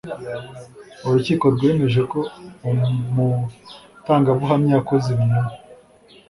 urukiko rwemeje ko umutangabuhamya yakoze ibinyoma